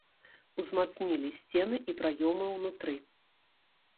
Узмацнілі сцены і праёмы унутры.